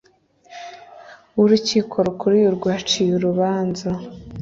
w Urukiko rukuriye urwaciye urubanza